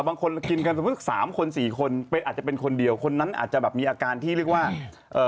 บางคนกินกันสมมุติสามคนสี่คนเป็นอาจจะเป็นคนเดียวคนนั้นอาจจะแบบมีอาการที่เรียกว่าเอ่อ